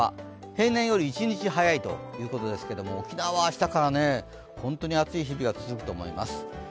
平年より一日早いということですけれども沖縄は明日から本当に暑い日々が続くと思います。